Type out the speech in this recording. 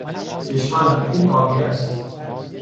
چشمان او آبی است.